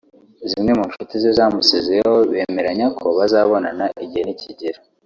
zimwe mu nshuti ze zamusezeyeyo bemeranya ko bazabonana igihe nikigera